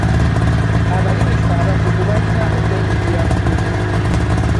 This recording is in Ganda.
Abalimisa abakugu balina okwenyigira mu kulima.